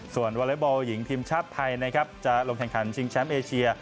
ส่วนวอเล็กบอลหญิงทีมชาติไทยนะครับจะลงแข่งขันชิงแชมป์เอเชีย